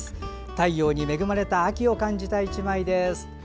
太陽に恵まれた秋を感じた１枚です。